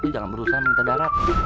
jangan berusaha minta darat